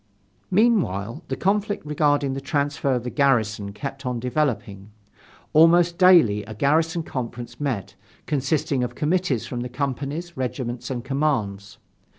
Meanwhile the conflict regarding the transfer of the garrison kept on developing. Almost daily, a garrison conference met, consisting of committees from the companies, regiments and commands.